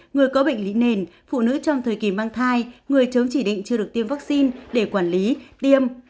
người có bệnh lý nền phụ nữ trong thời kỳ mang thai người chống chỉ định chưa được tiêm vaccine để quản lý tiêm